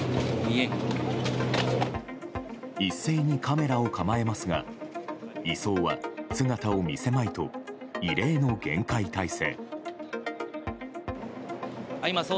一斉にカメラを構えますが移送は姿を見せまいと異例の厳戒態勢。